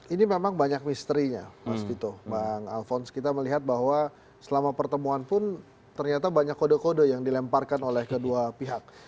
ini memang banyak misterinya mas vito bang alphonse kita melihat bahwa selama pertemuan pun ternyata banyak kode kode yang dilemparkan oleh kedua pihak